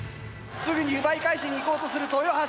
すぐに奪い返しにいこうとする豊橋！